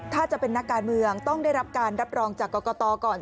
ถ้าจะเป็นนักการเมืองต้องได้รับการรับรองจากกรกตก่อน